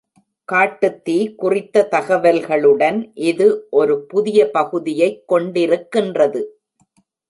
காட்டுத் தீ குறித்த தகவல்களுடன் இது ஒரு புதிய பகுதியைக் கொண்டிருக்கின்றது.